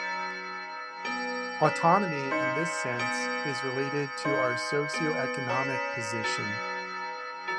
Autonomy in this sense is related to our socio-economic position.